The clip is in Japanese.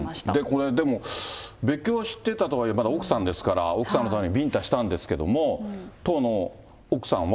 これ、でも別居してたとはいえ、まだ奥さんですから、奥さんのためにビンタしたんですけども、当の奥さんは。